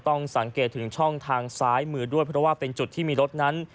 ต้องสังเกตถึงช่องทางซ้ายมือด้วยเพราะว่าเป็นจุดที่มีรถนั้น